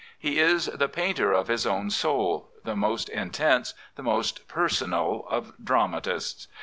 He is the painter of his own soul, the most intense, the most personal of dramatists.